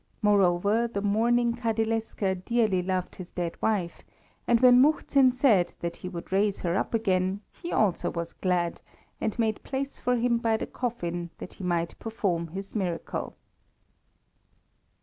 Moreover, the mourning Kadilesker dearly loved his dead wife, and when Muhzin said that he would raise her up again, he also was glad, and made place for him by the coffin that he might perform this miracle.